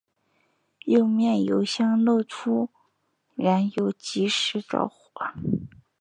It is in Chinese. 右面油箱漏出燃油即时着火。